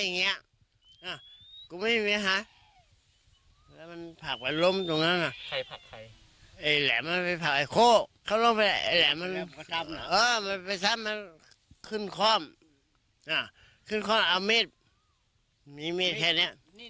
นี่มีแค่เนี้ย